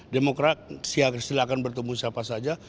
demokrat silakan bertemu siapa saja